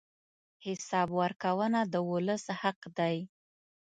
حساب ورکونه د ولس حق دی.